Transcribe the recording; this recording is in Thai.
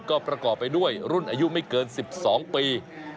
ก็ประกอบไปด้วยรุ่นอายุไม่เกิน๑๒ปี